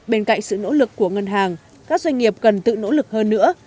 bên cạnh sự nỗ lực của ngân hàng các doanh nghiệp cần tự nỗ lực hơn nữa